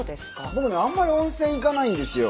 僕ねあんまり温泉行かないんですよ。